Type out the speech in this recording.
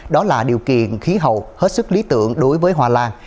đó là điều kiện khí hậu hết sức lý tưởng đối với hoa lan